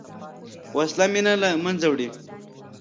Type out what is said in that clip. وسله مینه له منځه وړي